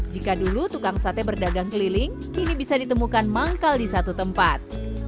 jika dulu tukang sate berdagang keliling kini bisa ditemukan manggal di satu tempat